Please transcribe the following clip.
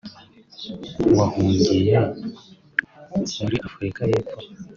wahungiye muri Afurika y’Epfo